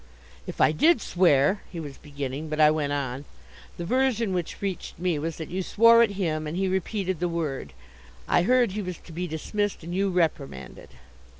"If I did swear " he was beginning, but I went on: "The version which reached me was that you swore at him, and he repeated the word. I heard he was to be dismissed and you reprimanded."